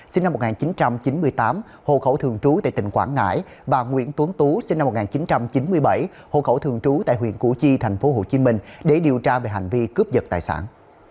sinh năm một nghìn chín trăm chín mươi tám hồ khẩu thường trú tại tỉnh quảng ngãi và nguyễn tuấn tú sinh năm một nghìn chín trăm chín mươi bảy hồ khẩu thường trú tại huyện củ chi thành phố hồ chí minh để điều tra về hành vi cướp vật tài sản